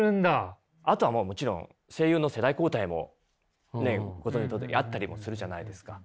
あとはもちろん声優の世代交代もねご存じのとおりあったりもするじゃないですか。